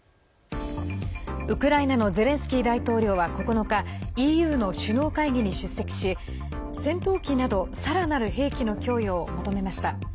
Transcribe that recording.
ウクライナのゼレンスキー大統領は９日ＥＵの首脳会議に出席し戦闘機などさらなる兵器の供与を求めました。